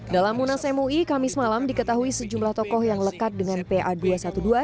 dalam munas mui kamis malam diketahui sejumlah tokoh yang lekat dengan pa dua ratus dua belas